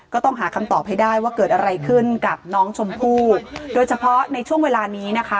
ก็ต้องหาคำตอบให้ได้ว่าเกิดอะไรขึ้นกับน้องชมพู่โดยเฉพาะในช่วงเวลานี้นะคะ